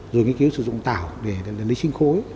rồi nghiên cứu sử dụng tảo để lấy sinh khối